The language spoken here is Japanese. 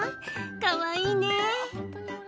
かわいいね。